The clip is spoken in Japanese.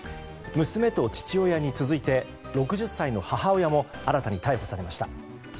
娘と父親に続いて６０歳の母親も新たに逮捕されました。